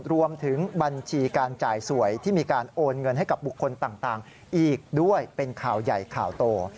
รวมถึงบัญชีการจ่ายสวยที่มีการโอนเงินให้กับบุคคลต่างอีกด้วยเป็นข่าวใหญ่ข่าวโต